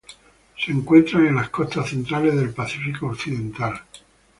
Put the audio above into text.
Se encuentran en las costas centrales del Pacífico Occidental.